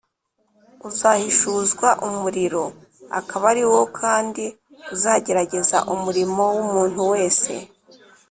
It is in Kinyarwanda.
uzahishuzwa umuriro, akaba ari wo kandi uzagerageza umurimo w'umuntu wese.